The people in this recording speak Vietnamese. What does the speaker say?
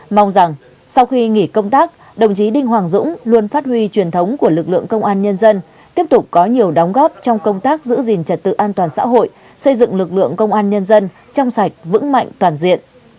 mong rằng sau khi nghỉ công tác đồng chí đinh hoàng dũng luôn phát huy truyền thống của lực lượng công an nhân dân tiếp tục có nhiều đóng góp trong công tác giữ gìn trật tự an toàn xã hội xây dựng lực lượng công an nhân dân trong sạch vững mạnh toàn diện